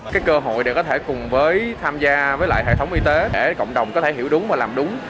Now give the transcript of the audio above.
cái cơ hội để có thể cùng với tham gia với lại hệ thống y tế để cộng đồng có thể hiểu đúng và làm đúng